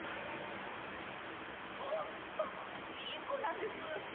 本当にいい子なんです。